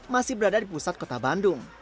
masih berada di pusat kota bandung